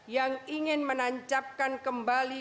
yang ingin menancapkan kembali